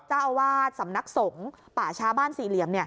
เจ้าอาวาสสำนักสงฆ์ป่าช้าบ้านสี่เหลี่ยม